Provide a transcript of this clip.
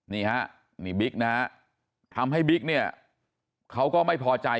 นี่ฮะนี่บิ๊กนะฮะทำให้บิ๊กเนี่ยเขาก็ไม่พอใจ